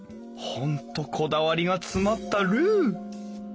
本当こだわりが詰まったルー！